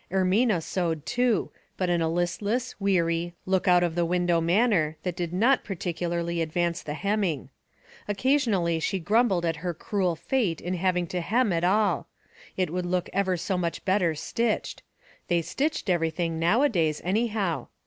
Ermina sewed too, but in a listless, weary, look out of the window manner that did not partic 37 38 Household Puzzles, ularly advance the hemming. Occasioually slie grumbled at her cruel fate in having to hem at all. It would look ever so much better stitched ; they stitched everything now a Jaj^s, anyhow.